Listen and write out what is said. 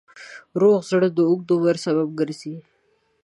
روغ زړه د اوږد عمر سبب ګرځي.